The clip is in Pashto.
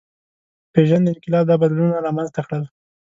د پېژند انقلاب دا بدلونونه رامنځ ته کړل.